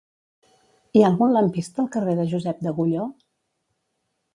Hi ha algun lampista al carrer de Josep d'Agulló?